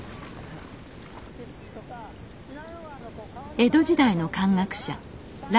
江戸時代の漢学者頼